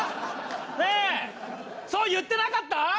ねえそう言ってなかった？